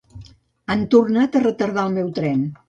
Han tornat a retardar el meu tren.